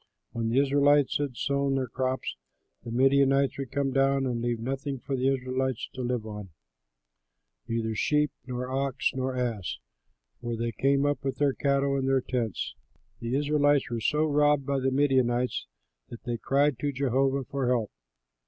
When the Israelites had sown their crops, the Midianites would come up and leave nothing for the Israelites to live on, neither sheep, nor ox, nor ass; for they came up with their cattle and their tents. The Israelites were so robbed by the Midianites, that they cried to Jehovah for help.